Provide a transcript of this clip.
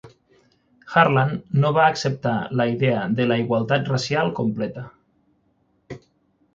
Harlan no va acceptar la idea de la igualtat racial social completa.